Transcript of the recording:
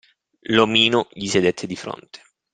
L'omino gli sedette di fronte.